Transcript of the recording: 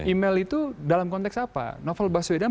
email itu dalam konteks apa novel baswedan